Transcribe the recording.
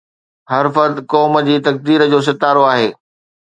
”هر فرد قوم جي تقدير جو ستارو آهي“